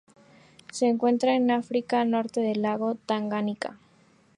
Se encuentran en África: norte del lago Tanganika.